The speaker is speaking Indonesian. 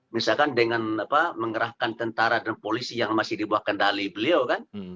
misalkan dengan mengerahkan tentara dan polisi yang masih di bawah kendali beliau kan